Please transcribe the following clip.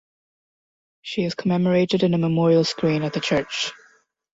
She is commemorated in a memorial screen at the church.